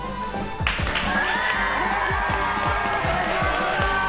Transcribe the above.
お願いします！